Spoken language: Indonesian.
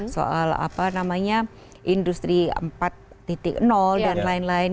soal apa namanya industri empat dan lain lain